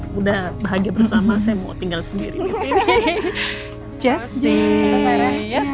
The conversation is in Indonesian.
sudah bahagia bersama saya mau tinggal sendiri disini